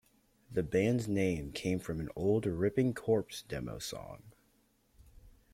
The band's name came from an old Ripping Corpse demo song.